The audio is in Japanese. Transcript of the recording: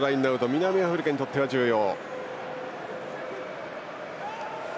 南アフリカにとっては重要。